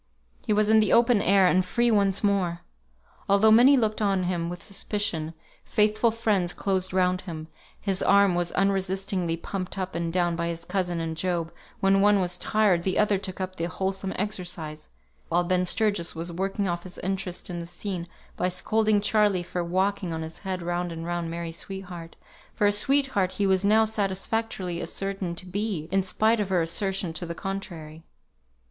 He was in the open air, and free once more! Although many looked on him with suspicion, faithful friends closed round him; his arm was unresistingly pumped up and down by his cousin and Job; when one was tired, the other took up the wholesome exercise, while Ben Sturgis was working off his interest in the scene by scolding Charley for walking on his head round and round Mary's sweetheart, for a sweetheart he was now satisfactorily ascertained to be, in spite of her assertion to the contrary.